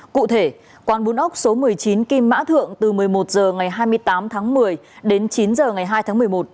cụ thể quán bún ốc số một mươi chín kim mã thượng từ một mươi một h ngày hai mươi tám tháng một mươi đến chín h ngày hai tháng một mươi một